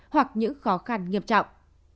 hoặc những khó khăn nghiêm trọng